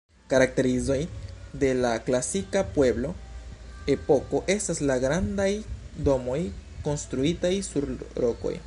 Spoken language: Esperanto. Karakterizoj de la klasika pueblo-epoko estas la grandaj domoj konstruitaj sur rokoj.